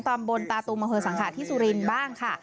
ตามบนตะตุม่าเวอสังหาธิสุรินบ้างค่ะ